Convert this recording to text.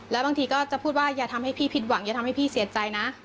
แล้วบางทีก็จะพูดว่าอย่าทำให้พี่ผิดหวังอย่าทำให้พี่เสียใจนะ